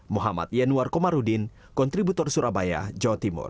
muhammad yanuar komarudin kontributor surabaya jawa timur